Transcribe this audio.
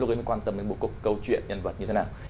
lúc đấy mình quan tâm đến bộ cục câu chuyện nhân vật như thế nào